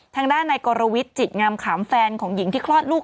ทางด้านในกรวิทจิตงามขามแฟนของหญิงที่คลอดลูก